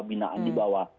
binaan di bawah